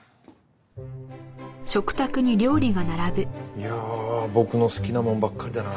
いやあ僕の好きなものばっかりだな。